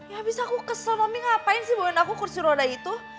ya abis aku kesel mami ngapain sih bawain aku kursi roda itu